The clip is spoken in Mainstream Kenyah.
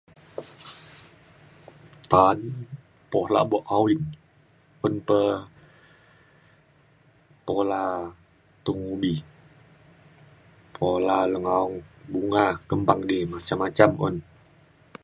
ta'an pola bok awing. un pe pola tung ubi, pola leng aung, bunga kempang di macam-macam un.